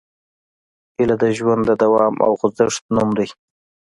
هیله د ژوند د دوام او خوځښت نوم دی.